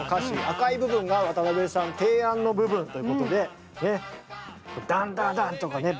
赤い部分が渡辺さん提案の部分ということでダンダダンとかね